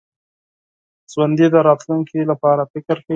ژوندي د راتلونکي لپاره فکر کوي